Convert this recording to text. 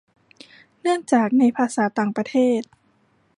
เนื่องจากในภาษาต่างประเทศ